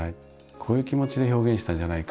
こういう気持ちで表現したんじゃないか？